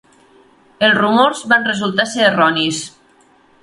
Els rumors van resultar ser erronis.